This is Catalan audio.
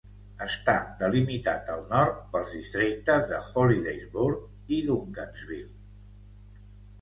Està delimitat al nord pels districtes de Hollidaysburg i Duncansville.